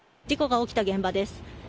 事故が起きた現場です。